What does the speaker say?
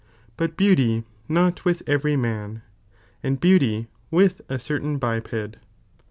but beauty not with every man, and bnuly with a certain biped.